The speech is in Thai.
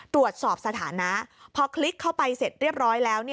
ตรวจสอบสถานะพอคลิกเข้าไปเสร็จเรียบร้อยแล้ว